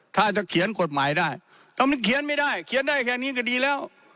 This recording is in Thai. ถ้าจะเขียนกฎหมายได้ทำไมเขียนไม่ได้เขียนได้แค่นี้ก็ดีแล้ว